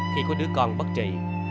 khi có đứa con bất trị